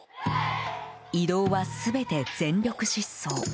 移動は全て全力疾走。